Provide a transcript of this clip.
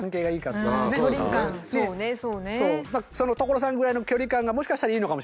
所さんぐらいの距離感がもしかしたらいいのかもしれないですね。